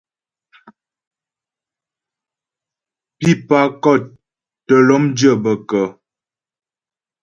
Pípà kɔ̂t tə́ lɔ́mdyə́ bə kə́ ?